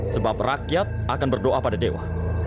sebab rakyat akan berdoa pada dewa